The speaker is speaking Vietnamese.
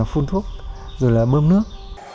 rồi là phun thuốc rồi là mơm nước